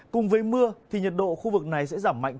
cùng với mưa thì nhiệt độ khu vực này sẽ giảm mạnh